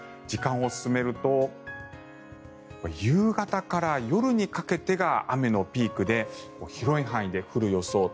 時間を進めると夕方から夜にかけてが雨のピークで広い範囲で降る予想。